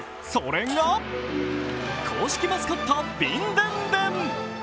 それが公式マスコットビンドゥンドゥン。